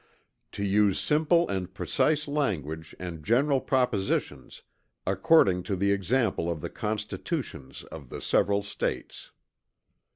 To use simple and precise language and general propositions according to the example of the constitutions of the several States."